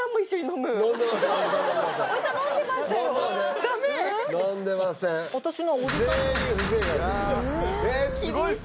飲んでませんえっ